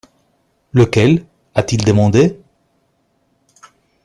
«Lequel ?» a-t-il demandé.